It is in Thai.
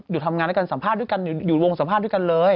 อยู่ทำงานด้วยกันอยู่รวงสามารถด้วยกันเลย